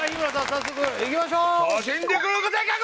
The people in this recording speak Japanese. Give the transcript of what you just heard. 早速いきましょうア！